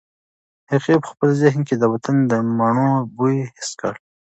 هغې په خپل ذهن کې د وطن د مڼو بوی حس کړ.